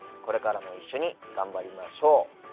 これからも一緒に頑張りましょう。